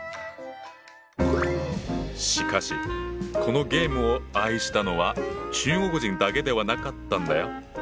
しかしこのゲームを愛したのは中国人だけではなかったんだよ。